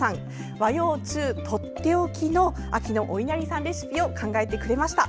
和洋中とっておきの秋のおいなりさんレシピを考えてくれました。